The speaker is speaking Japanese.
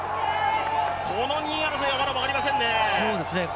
この２位争いまだ分かりませんね。